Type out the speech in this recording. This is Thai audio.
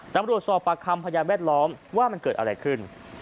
ตำรวจสอบปากคำพยานแวดล้อมว่ามันเกิดอะไรขึ้น